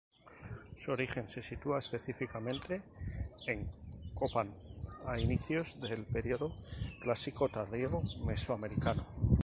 Su origen se sitúa específicamente en Copán a inicios del período Clásico Tardío mesoamericano.